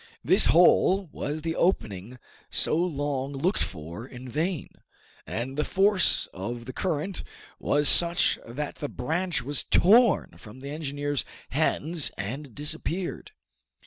This hole was the opening so long looked for in vain, and the force of the current was such that the branch was torn from the engineer's hands and disappeared.